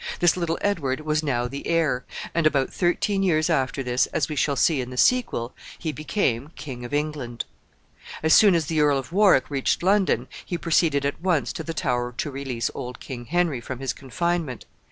This little Edward was now the heir, and, about thirteen years after this, as we shall see in the sequel, he became King of England. As soon as the Earl of Warwick reached London, he proceeded at once to the Tower to release old King Henry from his confinement.